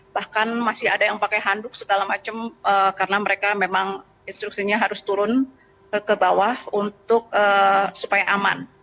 bahkan masih ada yang pakai handuk segala macam karena mereka memang instruksinya harus turun ke bawah untuk supaya aman